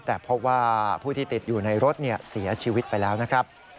แต่พบว่าผู้ที่ติดอยู่ในรถเสียชีวิตไปแล้วนะครับ